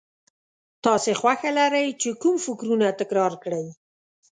تاسې خوښه لرئ چې کوم فکرونه تکرار کړئ.